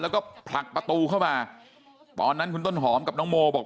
แล้วก็ผลักประตูเข้ามาตอนนั้นคุณต้นหอมกับน้องโมบอก